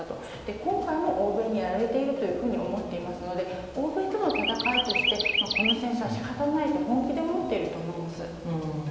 今回も欧米にやられていると思っていますので欧米との戦いとして、この戦争は仕方ないと本気で思っていると思うんです。